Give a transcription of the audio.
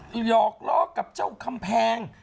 หยอกล้อกับเจ้าคำแพง